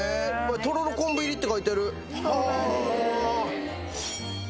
とろろ昆布入りって書いてあるそうなんです